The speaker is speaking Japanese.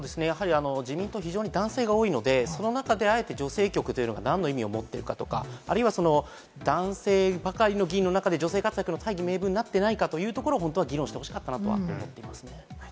自民党は男性が多いので、その中であえて女性局というのが何の意味を持っているかとか、あるいは男性ばかりの議員の中で女性活躍の大義名分になっていないかというところを議論してほしかったなと思ってますね。